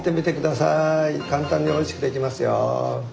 簡単においしくできますよ。